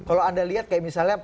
kalau anda lihat kayak misalnya